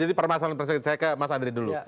jadi permasalahan perspektif saya ke mas andri dulu